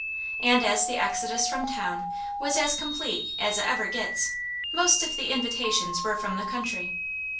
And as the exodus from town was as complete as it ever gets, most of the invitations were from the country.